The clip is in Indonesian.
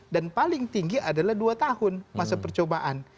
dan paling tinggi adalah dua tahun masa percobaan